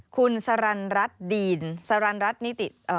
คุณสรรรัฐดีนสรรรัฐนิติ